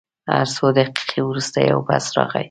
هر څو دقیقې وروسته یو بس راغی.